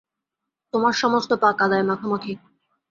তোমার সমস্ত পা কাদায় মাখামাখি।